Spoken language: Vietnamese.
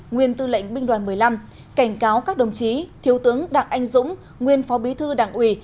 nguyên tư lệnh binh đoàn một mươi năm cảnh cáo các đồng chí thiếu tướng đặng anh dũng nguyên phó bí thư đảng ủy